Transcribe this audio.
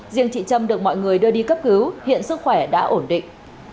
riêng chị trâm được mọi người đưa đi cấp cứu hiện sức khỏe đã ổn định